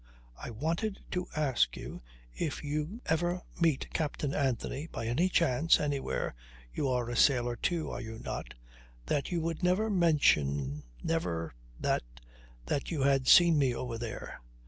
I wanted to ask you if you ever meet Captain Anthony by any chance anywhere you are a sailor too, are you not? that you would never mention never that that you had seen me over there."